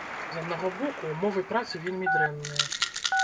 З аднаго боку, умовы працы вельмі дрэнныя.